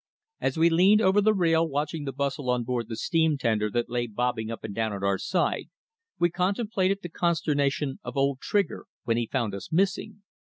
As we leaned over the rail watching the bustle on board the steam tender that lay bobbing up and down at our side, we contemplated the consternation of old Trigger when he found us missing.